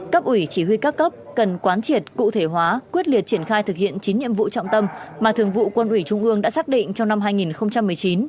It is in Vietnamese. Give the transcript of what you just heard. cấp ủy chỉ huy các cấp cần quán triệt cụ thể hóa quyết liệt triển khai thực hiện chín nhiệm vụ trọng tâm mà thường vụ quân ủy trung ương đã xác định trong năm hai nghìn một mươi chín